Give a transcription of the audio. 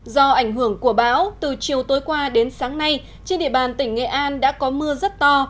do ảnh hưởng của bão từ chiều tối qua đến sáng nay trên địa bàn tỉnh nghệ an đã có mưa rất to